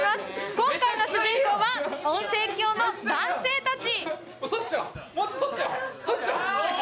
今回の主人公は温泉郷の男性たち。